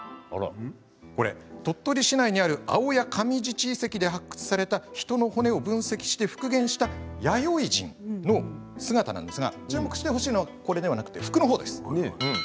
鳥取市内にある青谷上寺地遺跡で発掘された人の骨を分析して復元した弥生人の姿なんですが注目してほしいのは服のほうです。